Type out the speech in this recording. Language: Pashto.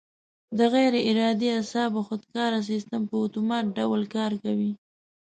د غیر ارادي اعصابو خودکاره سیستم په اتومات ډول کار کوي.